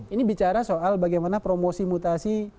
ini bicara soal bagaimana promosi mutasi